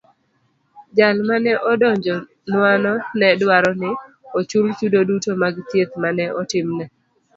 Jal mane odonjonwano ne dwaro ni ochul chudo duto mag thieth mane otimne.